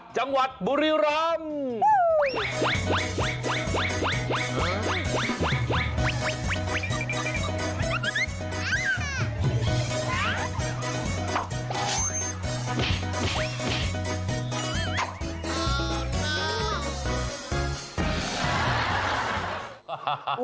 จังหวัดบุรีรัมป์